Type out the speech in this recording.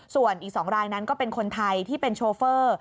ส่วนอีก๒รายนั้นก็เป็นคนไทยที่เป็นโชเฟอร์